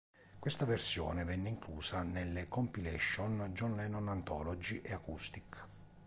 Questa versione venne inclusa nelle compilation "John Lennon Anthology" e "Acoustic".